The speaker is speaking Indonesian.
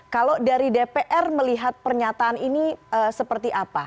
kalau dari dpr melihat pernyataan ini seperti apa